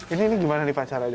ini gimana nih pak cara aja